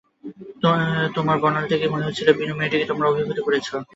তোমার বর্ণনা থেকেই মনে হচ্ছিল, বিনু মেয়েটি তোমাকে অভিভূত করেছে।